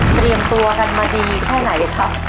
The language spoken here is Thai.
เตรียมตัวกันมาดีแค่ไหนครับ